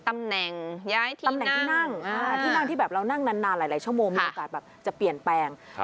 ตำแหน่งตำแหน่งที่นั่งที่นั่งที่แบบเรานั่งนานหลายชั่วโมงมีโอกาสแบบจะเปลี่ยนแปลง